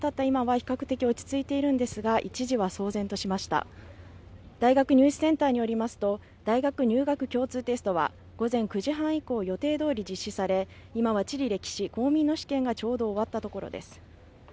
今は比較的落ち着いているんですが一時は騒然としました大学入試センターによりますと大学入学共通テストは午前９時半以降予定どおり実施され今は地理歴史公民の試験がちょうど終わったところです